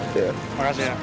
terima kasih ya